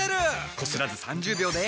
こすらず３０秒で。